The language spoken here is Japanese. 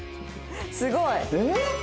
すごい！